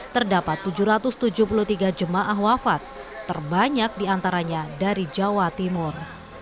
terdapat tujuh ratus tujuh puluh tiga jemaah wafat terbanyak diantaranya dari jawa timur